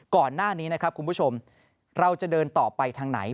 ก่อนหน้านี้นะครับคุณผู้ชมเราจะเดินต่อไปทางไหน